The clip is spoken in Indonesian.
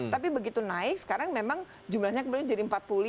tapi begitu naik sekarang memang jumlahnya kemudian jadi empat puluh lima